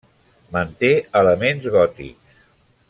Manté elements gòtics.